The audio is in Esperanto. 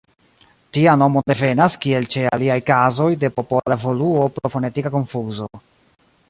Tia nomo devenas, kiel ĉe aliaj kazoj, de popola evoluo pro fonetika konfuzo.